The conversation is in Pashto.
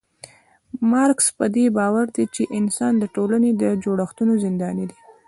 مارکس پدې باور دی چي انسان د ټولني د جوړښتونو زنداني دی